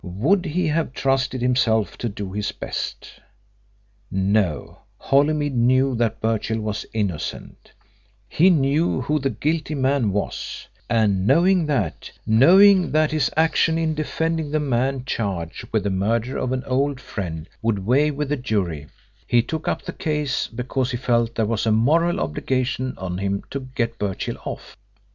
Would he have trusted himself to do his best? No, Holymead knew that Birchill was innocent; he knew who the guilty man was, and, knowing that, knowing that his action in defending the man charged with the murder of an old friend would weigh with the jury, he took up the case because he felt there was a moral obligation on him to get Birchill off.